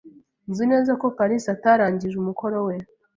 Nzi neza ko kalisa atarangije umukoro we.